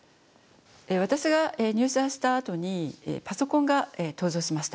私が入社したあとにパソコンが登場しました。